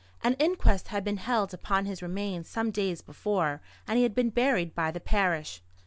An inquest had been held upon his remains some days before, and he had been buried by the parish.